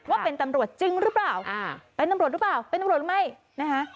ว่าเป็นตำรวจจริงหรือเปล่าเป็นตำรวจหรือเปล่าเป็นตำรวจหรือไม่นะคะ